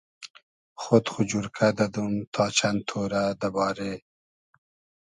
خۉد خو جورکۂ دئدوم تا چئند تۉرۂ دۂ بارې